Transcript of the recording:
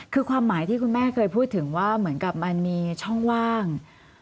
คือความหมายที่คุณแม่เคยพูดถึงว่าเหมือนกับมันมีช่องว่าง